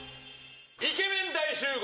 イケメン大集合！